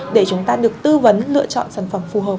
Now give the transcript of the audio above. để chúng ta được tư vấn lựa chọn sản phẩm phù hợp